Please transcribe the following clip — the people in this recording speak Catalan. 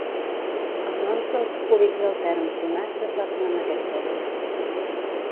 Els noms dels "cúbics alterns" donats es basen en aquest ordre.